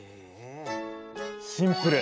シンプル。